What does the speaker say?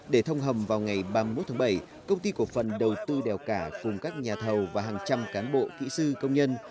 để thông hầm vào ngày ba mươi một tháng bảy công ty cổ phần đầu tư đèo cả cùng các nhà thầu và hàng trăm cán bộ kỹ sư công nhân